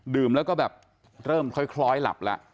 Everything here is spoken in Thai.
แล้วก็แบบเริ่มคล้อยหลับแล้ว